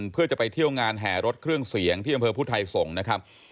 เพื่อจะไปเที่ยวงานแห่รถเครื่องเสียงที่อำเภอพุทธไทยสงฆ์นะครับ